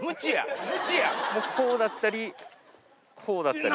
こうだったりこうだったり。